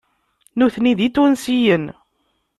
Nutni d Itunsiyen.